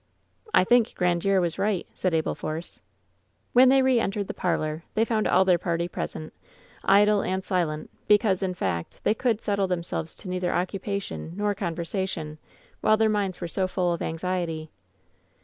"I think Grandiere was right," said Abel Force. When they reentered the parlor they found all their party present, idle and silent, because, in fact, they could settle themselves to neither occupation nor conversation while their minds were so full of anxiety.